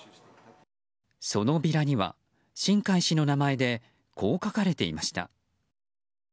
そのビラには、新開氏の名前でこう書かれていました。